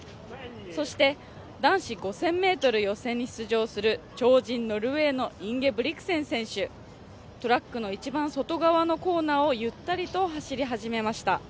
そして男子５０００ｍ予選に出場する超人、ノルウェーのインゲブリクセン選手、トラックの一番外側のコーナーをゆったりと走り始めました。